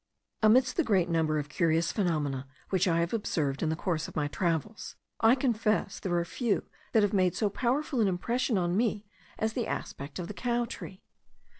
Amidst the great number of curious phenomena which I have observed in the course of my travels, I confess there are few that have made so powerful an impression on me as the aspect of the cow tree.